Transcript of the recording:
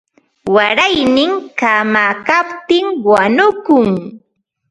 Wayarnin kamakaptin wanukun.